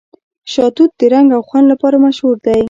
شاه توت د رنګ او خوند لپاره مشهور دی.